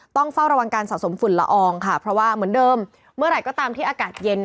ต้องเฝ้าระวังการสะสมฝุ่นละอองค่ะเพราะว่าเหมือนเดิมเมื่อไหร่ก็ตามที่อากาศเย็น